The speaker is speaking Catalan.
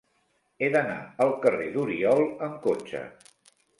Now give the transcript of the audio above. He d'anar al carrer d'Oriol amb cotxe.